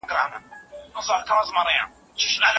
که په تدریس کي لابراتوار وي، غلط باور نه خپرېږي.